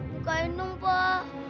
bukain dong pak